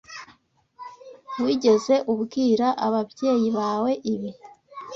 Wigeze ubwira ababyeyi bawe ibi?